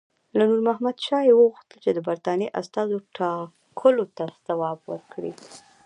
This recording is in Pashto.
له نور محمد شاه یې وغوښتل چې د برټانیې استازو ټاکلو ته ځواب ورکړي.